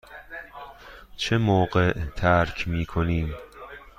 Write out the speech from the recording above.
چه موقع ترک می کنیم؟